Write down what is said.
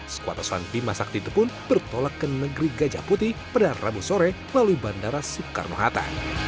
skuad tosan bimasakti itu pun bertolak ke negeri gajah putih pada rabu sore lalu bandara soekarno hatta